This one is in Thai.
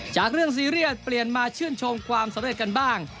จากเรื่องซีเรียสเปลี่ยนมาชื่นชมความสำเร็จกันบ้าง